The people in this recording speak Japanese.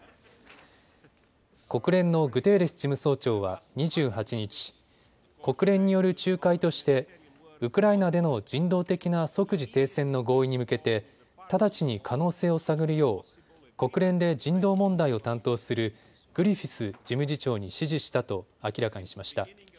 国連のグテーレス事務総長は２８日、国連による仲介としてウクライナでの人道的な即時停戦の合意に向けて直ちに可能性を探るよう国連で人道問題を担当するグリフィス事務次長に指示したと明らかにしました。